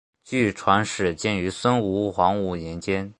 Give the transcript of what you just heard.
据传始建于孙吴黄武年间。